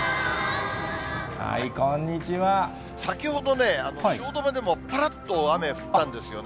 先ほどね、汐留でもぱらっと雨降ったんですよね。